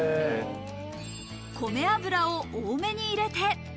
米油を多めに入れて。